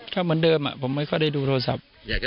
เหมือนเริ่มผมไม่ได้รู้โทรศัพท์